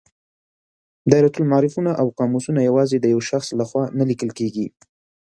دایرة المعارفونه او قاموسونه یوازې د یو شخص له خوا نه لیکل کیږي.